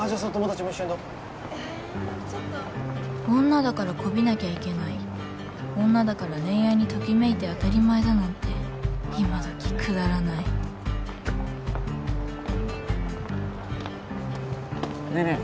女だから媚びなきゃいけない女だから恋愛にときめいて当たり前だなんてねえねえ